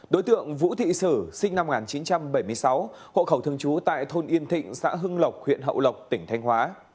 đối tượng vũ thị sử sinh năm một nghìn chín trăm bảy mươi sáu hộ khẩu thường trú tại thôn yên thịnh xã hưng lộc huyện hậu lộc tỉnh thanh hóa